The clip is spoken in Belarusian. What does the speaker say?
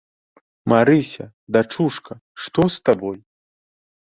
Марыся, дачушка, што з табой?